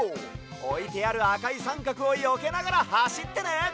おいてあるあかいさんかくをよけながらはしってね！